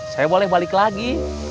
saya boleh balik lagi